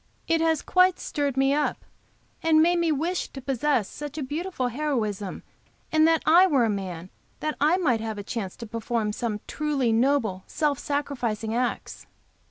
It has quite stirred me up, and made me wish to possess such beautiful heroism, and that I were a man, that I might have a chance to perform some truly noble, self sacrificing acts."